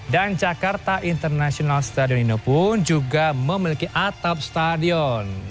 dan jakarta international stadion ini pun juga memiliki atap stadion